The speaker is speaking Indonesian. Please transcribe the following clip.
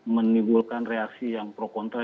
menimbulkan reaksi yang pro kontra